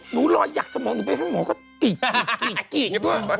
หนูรอยยักษ์สมองหนูไปทั้งหมอก็กิด